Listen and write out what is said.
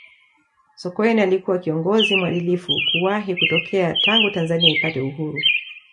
sokoine alikuwa kiongozi mwadilifu kuwahi kutokea tangu tanzania ipate uhuru